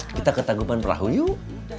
kita ke taguban perahu yuk